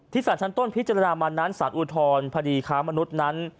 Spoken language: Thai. ที่ศาลชั้นต้นพิจารณามันนั้นศาสตร์อุทธรณ์พระดีค้ามนุษย์นั้น